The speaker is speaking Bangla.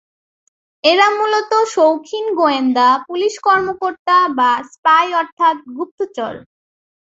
এরা মূলত শৌখিন গোয়েন্দা, পুলিশ কর্মকর্তা বা স্পাই অর্থাৎ গুপ্তচর।